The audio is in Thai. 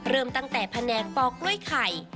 เริ่มตั้งแต่แผนกปกล้วยไข่